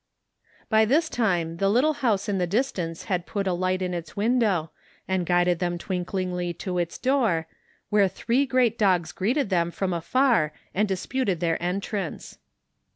By this time the little house in the distance had put a light in its window, and guided them twinklingly to its door, where three great dogs greeted them from afar and disputed their entrance.